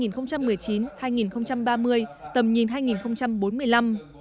giai đoạn hai nghìn một mươi chín hai nghìn ba mươi tầm nhìn hai nghìn bốn mươi năm